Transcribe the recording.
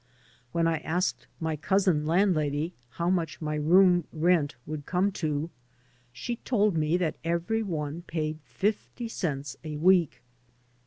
When I asked my cousin landlady how much my room rent would come to, she told me that every one paid fifty cents a week.